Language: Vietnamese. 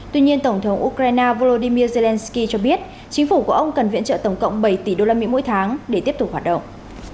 tuy nhiên tổng thống ukraine volodymyr zelensky cho biết chính phủ của ông cần viện trợ tổng cộng bảy tỷ usd mỗi tháng để tiếp tục hoạt động